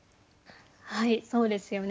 はいそうですよね。